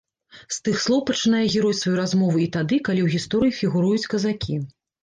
З тых слоў пачынае герой сваю размову і тады, калі ў гісторыі фігуруюць казакі.